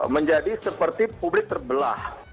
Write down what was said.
menjadi seperti publik terbelah